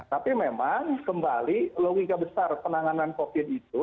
tapi memang kembali logika besar penanganan covid itu